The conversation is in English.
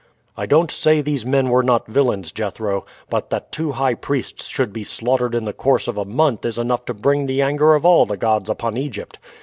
"I don't say these men were not villains, Jethro; but that two high priests should be slaughtered in the course of a month is enough to bring the anger of all the gods upon Egypt.